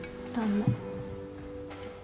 どうも。